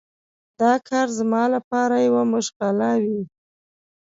دا کار زما لپاره یوه مشغله وي.